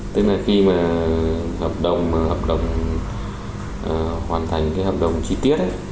tức là khi mà hợp đồng hoàn thành cái hợp đồng chi tiết